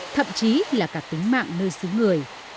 thậm chí là cả tính mạng nơi xứ người